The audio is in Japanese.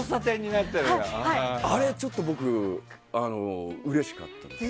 あれ、ちょっと僕うれしかったです。